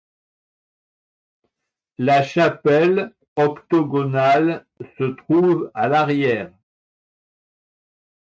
La chapelle, octogonale, se trouve à l'arrière.